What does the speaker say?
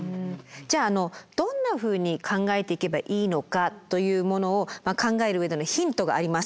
じゃああのどんなふうに考えていけばいいのかというものを考える上でのヒントがあります。